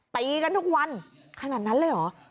ตีกันทุกวันขนาดนั้นเลยเหรอ